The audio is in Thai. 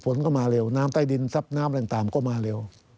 ฝนก็มาเร็วน้ำใต้ดินซับน้ำอะไรต่างก็มาเร็ว